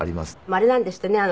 あれなんですってね。